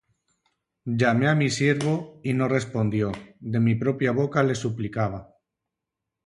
Llamé á mi siervo, y no respondió; De mi propia boca le suplicaba.